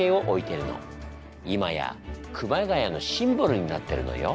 今や熊谷のシンボルになってるのよ。